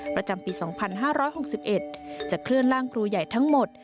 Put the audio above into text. ประจำปี๒๕๖๑จะเคลื่อนร่างครูใหญ่ทั้งหมด